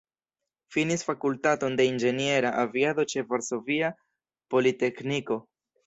Finis Fakultaton de Inĝeniera Aviado ĉe Varsovia Politekniko.